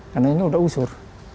karena ini sudah usur